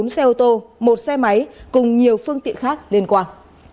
bốn xe ô tô một xe máy cùng nhiều phương tiện khác liên quan